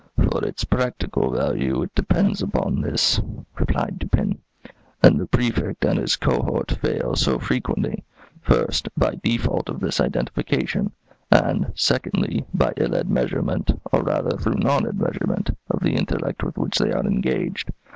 "For its practical value it depends upon this," replied Dupin; "and the Prefect and his cohort fail so frequently, first, by default of this identification, and, secondly, by ill admeasurement, or rather through non admeasurement, of the intellect with which they are engaged.